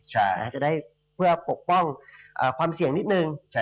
ใช่จะได้เพื่อปกป้องความเสี่ยงนิดนึง